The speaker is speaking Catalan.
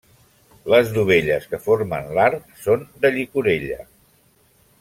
Les dovelles que formen l'arc són de llicorella.